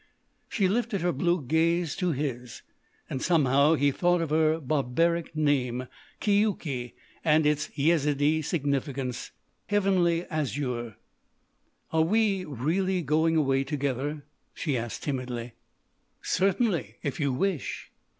She lifted her blue gaze to his; and, somehow, he thought of her barbaric name, Keuke,—and its Yezidee significance, "heavenly—azure." "Are we really going away together?" she asked timidly. "Certainly, if you wish."